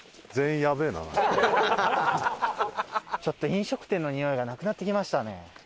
ちょっと飲食店のにおいがなくなってきましたね。